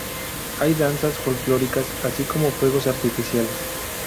Hay danzas folclóricas, así como fuegos artificiales.